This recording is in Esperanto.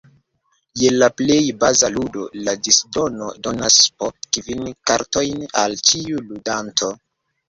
Je la plej baza ludo, la disdono donas po kvin kartojn al ĉiu ludanto.